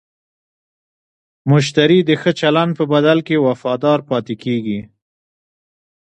مشتری د ښه چلند په بدل کې وفادار پاتې کېږي.